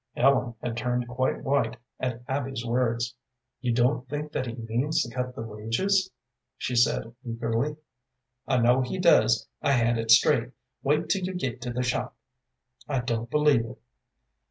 Ellen had turned quite white at Abby's words. "You don't think that he means to cut the wages?" she said, eagerly. "I know he does. I had it straight. Wait till you get to the shop." "I don't believe it."